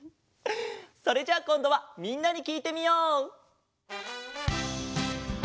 それじゃあこんどはみんなにきいてみよう！